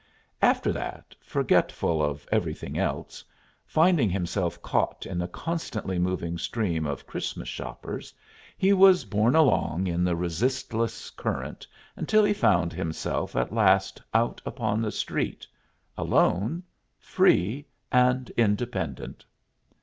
After that, forgetful of everything else, finding himself caught in the constantly moving stream of Christmas shoppers, he was borne along in the resistless current until he found himself at last out upon the street alone, free, and independent.